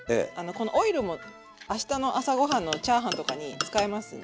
このオイルも明日の朝ご飯のチャーハンとかに使えますんで。